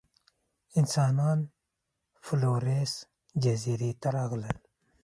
انسانان فلورېس جزیرې ته راغلل.